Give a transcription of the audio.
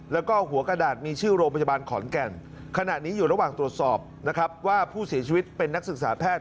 แล้วก็หัวกระดาษมีชื่อโรงพยาบาลขอนแก่นขณะนี้อยู่ระหว่างตรวจสอบนะครับว่าผู้เสียชีวิตเป็นนักศึกษาแพทย์